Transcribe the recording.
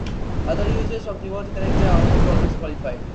Other uses of the word "character" are almost always qualified.